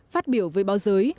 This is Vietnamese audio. phát biểu với báo giới